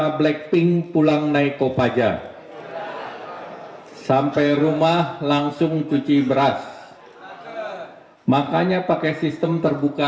hai blackpink pulang naik opaja sampai rumah langsung cuci beras makanya pakai sistem terbuka